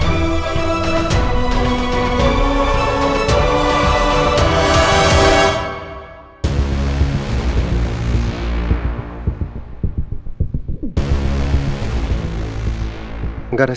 informasi informasi yang masuk